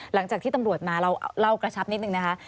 หลังจากที่ตำรวจมาเราเล่ากระชับนิดนึงนะคะ